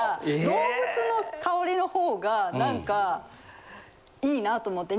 動物の香りのほうが何かいいなと思って。